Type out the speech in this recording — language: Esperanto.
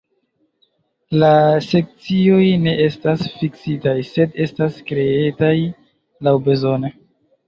La Sekcioj ne estas fiksitaj, sed estas kreataj laŭbezone.